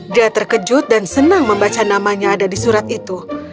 dia terkejut dan senang membaca namanya ada di surat itu